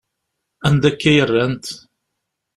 Anda akka i rrant?